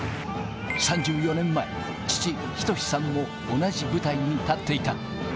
３４年前、父、仁さんも同じ舞台に立っていた。